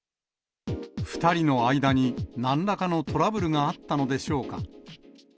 ２人の間に何らかのトラブルがあったのでしょうか。